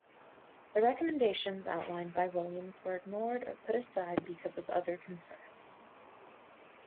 The recommendations outlined by Williams were ignored or put aside because of other concerns.